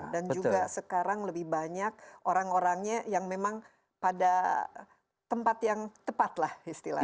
dan juga sekarang lebih banyak orang orangnya yang memang pada tempat yang tepat lah istilahnya